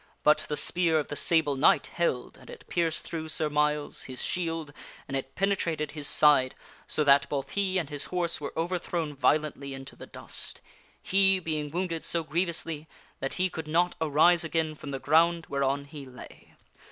But the spear of the Sable Knight held and it pierced through Sir Myles, his shield, and it penetrated his side, so that both he and his horse were overthrown violently into the dust; he being wounded so grievously that he could not arise again from the ground whereon he lay.